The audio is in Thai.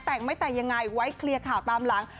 แต่งไม่แต่งยังไงไว้เคลียร์ข่าวตามหลัง